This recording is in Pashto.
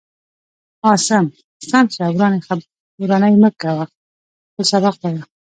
عاصم سم شه وراني من كوه خپل سبق وايا.